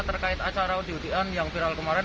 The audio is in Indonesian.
terkait acara udik udikan yang viral kemarin